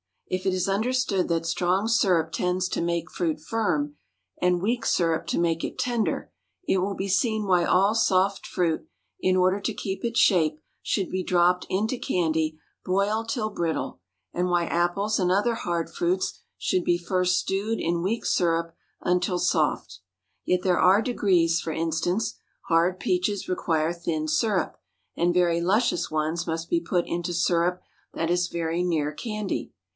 If it is understood that strong syrup tends to make fruit firm, and weak syrup to make it tender, it will be seen why all soft fruit, in order to keep its shape, should be dropped into candy boiled till brittle, and why apples and other hard fruits should be first stewed in weak syrup until soft; yet there are degrees; for instance, hard peaches require thin syrup, and very luscious ones must be put into syrup that is very near candy.